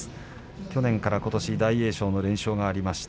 去年からことし大栄翔の連勝がありました。